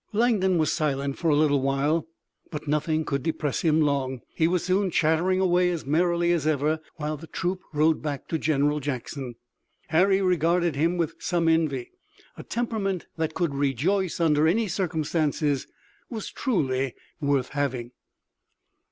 Langdon was silent for a little while, but nothing could depress him long. He was soon chattering away as merrily as ever while the troop rode back to General Jackson. Harry regarded him with some envy. A temperament that could rejoice under any circumstances was truly worth having.